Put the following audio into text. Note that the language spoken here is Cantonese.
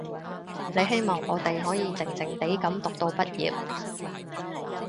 你希望我哋可以靜靜地噉讀到畢業